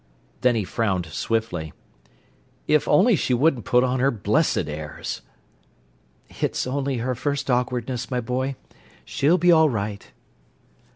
Then he frowned swiftly. "If only she wouldn't put on her blessed airs!" "It's only her first awkwardness, my boy. She'll be all right."